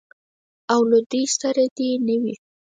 او له دوی سره دې نه وي.